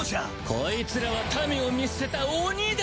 こいつらは民を見捨てたオニだ。